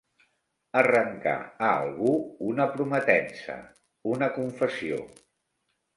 Arrencar a algú una prometença, una confessió.